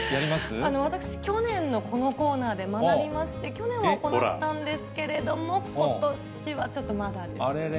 私、去年のこのコーナーで学びまして、去年は行ったんですけれども、ことしはちょっとまだであれれ。